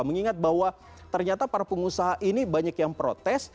mengingat bahwa ternyata para pengusaha ini banyak yang protes